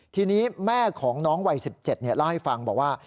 ทีนี้แม่ของน้องวัย๑๗เล่าให้ฟังบอกว่า